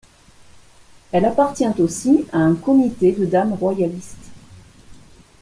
Elle appartient aussi à un comité de Dames royalistes.